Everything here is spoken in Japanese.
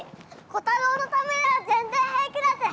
コタローのためなら全然平気だぜ！